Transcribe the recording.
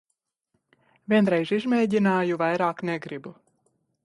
Vienreiz izmēģināju, vairāk negribu.